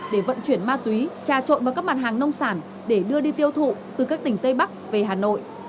để vận chuyển ma túy trà trộn vào các mặt hàng nông sản để đưa đi tiêu thụ từ các tỉnh tây bắc về hà nội